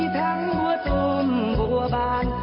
มีทั้งปัวตุมปัวบาน